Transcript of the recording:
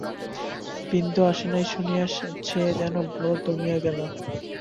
বিন্দু আসে নাই শুনিয়া সে যেন বড় দমিয়া গেল।